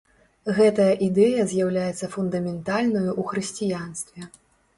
Гэтая ідэя з'яўляецца фундаментальнаю ў хрысціянстве.